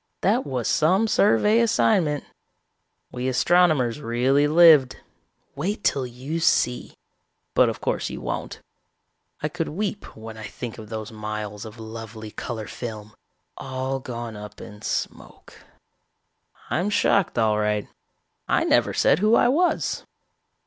"That was some survey assignment. We astronomers really lived. Wait till you see but of course you won't. I could weep when I think of those miles of lovely color film, all gone up in smoke. "I'm shocked all right. I never said who I was.